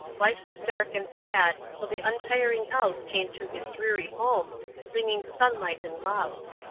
Life was dark and sad till the untiring Elves came to his dreary home, bringing sunlight and love.